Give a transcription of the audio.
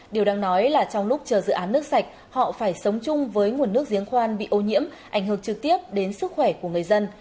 điều đang nói là trong lúc chờ dự án nước sạch họ phải sống chung với nguồn nước giếng khoan bị ô nhiễm ảnh hưởng trực tiếp đến sức khỏe của người dân